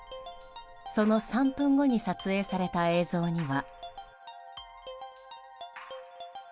その３分後に撮影された映像には。